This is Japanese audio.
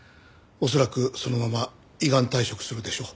恐らくそのまま依願退職するでしょう。